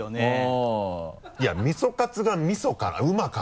いや味噌カツが「みそか」「うまか」